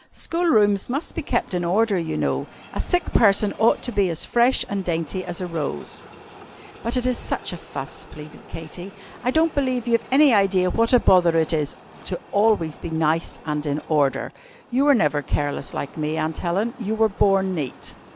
School rooms must be kept in order, you know. A sick person ought to be as fresh and dainty as a rose." "But it is such a fuss," pleaded Katy. "I don't believe you've any idea what a bother it is to always be nice and in order. You never were careless like me, Cousin Helen; you were born neat."